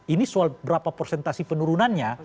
ini soal berapa persentasi penurunannya